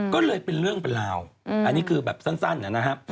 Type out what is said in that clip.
ก็เลยเป็นเรื่องเป็นราวอันนี้คือแบบสั้นนะครับ